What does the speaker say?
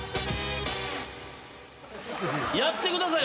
やってください！